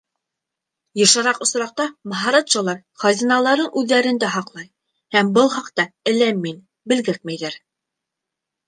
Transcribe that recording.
Йышыраҡ осраҡта маһараджалар хазиналарын үҙҙәрендә һаҡлай һәм был хаҡта ләм-мим белгертмәйҙәр.